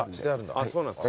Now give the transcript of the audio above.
あっそうなんですか。